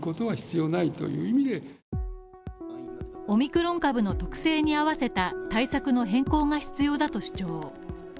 オミクロン株の特性に合わせた対策の変更が必要だと主張。